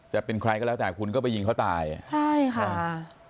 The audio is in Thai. จะเป็นใครก็แล้วแต่คุณก็ไปยิงเขาตายใช่ค่ะ